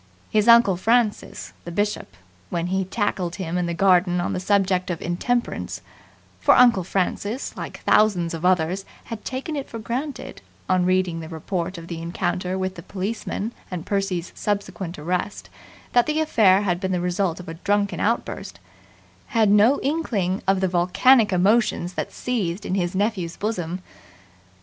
His uncle Francis, the Bishop, when he tackled him in the garden on the subject of Intemperance for Uncle Francis, like thousands of others, had taken it for granted, on reading the report of the encounter with the policeman and Percy's subsequent arrest, that the affair had been the result of a drunken outburst had no inkling of the volcanic emotions that seethed in his nephew's bosom.